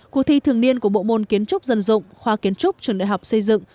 cuộc thi thường niên của bộ môn kiến trúc dân dụng khoa kiến trúc trường đại học xây dựng